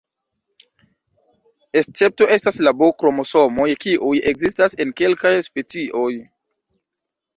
Escepto estas la B-kromosomoj, kiuj ekzistas en kelkaj specioj.